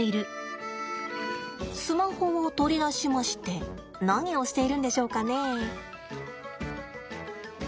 スマホを取り出しまして何をしているんでしょうかねえ。